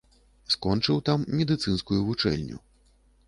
Скончыў там медыцынскую вучэльню.